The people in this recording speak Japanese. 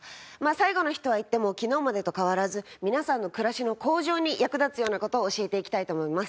最後の日とはいっても昨日までと変わらず皆さんの暮らしの向上に役立つような事を教えていきたいと思います。